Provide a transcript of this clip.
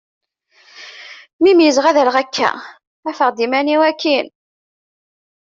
Mi meyyzeɣ ad rreɣ akka, afeɣ-d iman-iw akkin.